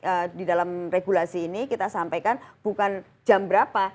dan mungkin kita sampai di dalam regulasi ini kita sampaikan bukan jam berapa